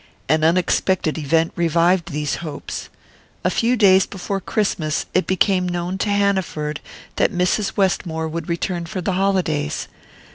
An unexpected event revived these hopes. A few days before Christmas it became known to Hanaford that Mrs. Westmore would return for the holidays.